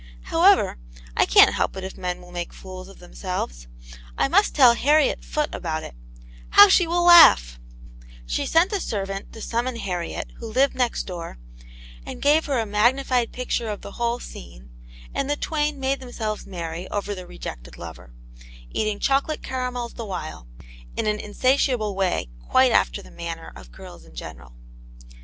However, I can't help it if men will make fools of themselves. I must tell Harriet Foot about it; how she will laugh !" This thought quite restored her spirits; she sent a servant to summon Harriet, who lived next door, and gave her a magnified picture of the whole scene, and the twain made themselves merry over the rejected lover, eating chocolate caramels the while, in an insatiable way, quite after the manner of girls in general.